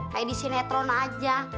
kayak di sinetron aja